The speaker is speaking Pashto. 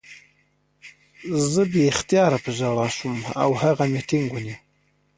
زه بې اختیاره په ژړا شوم او هغه مې ټینګ ونیو